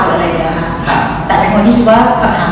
แต่ว่าไม่ได้มีธีปตันาที่ต้องกล้าวลอง